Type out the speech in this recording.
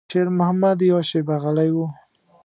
شېرمحمد يوه شېبه غلی و.